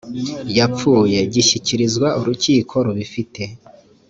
yapfuye gishyikirizwa urukiko rubifitiye